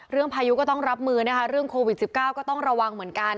พายุก็ต้องรับมือนะคะเรื่องโควิด๑๙ก็ต้องระวังเหมือนกัน